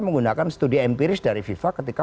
menggunakan studi empiris dari fifa ketika